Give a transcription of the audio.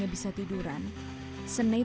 dia bisa apikan wind time saja